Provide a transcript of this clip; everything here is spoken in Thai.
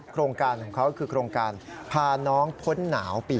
โครงการของเขาคือโครงการพาน้องพ้นหนาวปี